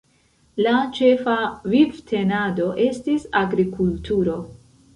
La ĉefa vivtenado estis agrikultuuro.